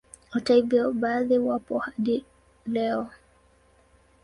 Hata hivyo baadhi wapo hadi leo